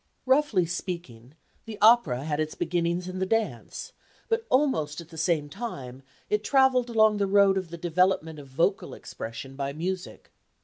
Roughly speaking, the opera had its beginnings in the dance, but almost at the same time it travelled along the road of the development of vocal expression by music.